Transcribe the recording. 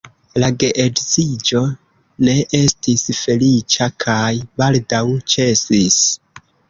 La geedziĝo ne estis feliĉa kaj baldaŭ ĉesis.